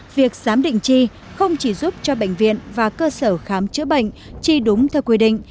việc giám định chi không chỉ giúp cho bệnh viện và cơ sở khám chữa bệnh chi đúng theo quy định